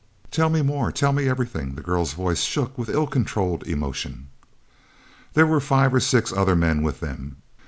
"Tell me more, tell me everything," the girl's voice shook with ill controlled emotion. "There were five or six other men with them.